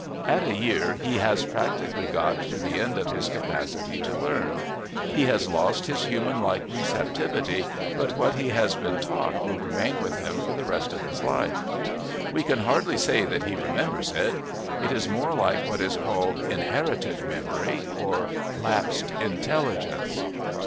At a year he has practically got to the end of his capacity to learn. He has lost his human like receptivity, but what he has been taught will remain with him for the rest of his life. We can hardly say that he remembers it; it is more like what is called "inherited memory" or "lapsed intelligence."